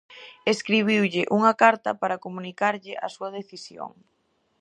Escribiulle unha carta para comunicarlle a súa decisión.